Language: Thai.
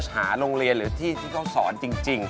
หาโรงเรียนหรือที่ที่เขาสอนจริง